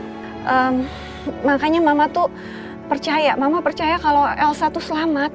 hmm makanya mama tuh percaya mama percaya kalau elsa tuh selamat